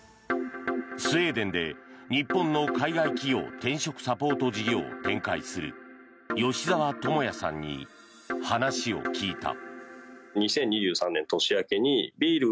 スウェーデンで日本の海外企業転職サポート事業を展開する吉澤智哉さんに話を聞いた。